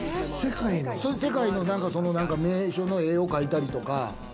世界の名所の絵を描いたりとか。